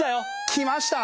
きました！